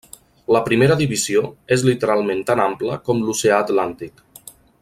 La primera divisió és literalment tan ampla com l'Oceà Atlàntic.